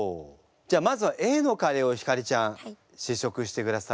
じゃあまずはＡのカレーを晃ちゃん試食してください。